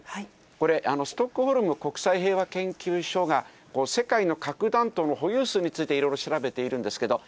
これ、ストックホルム国際平和研究所が、世界の核弾頭の保有数についていろいろ調べているんですけれども、